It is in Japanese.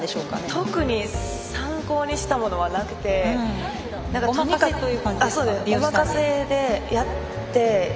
特に参考にしたものはなくておまかせでやって。